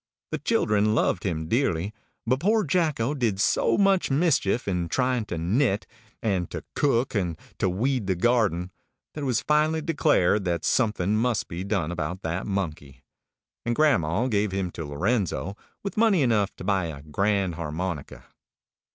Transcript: The children loved him dearly; but poor Jacko did so much mischief in trying to knit, and to cook, and to weed the garden, that it was finally declared that something must be done about that monkey; and grandma gave him to Lorenzo, with money enough to buy a grand harmonica.